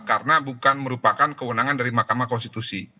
karena bukan merupakan kewenangan dari mahkamah konstitusi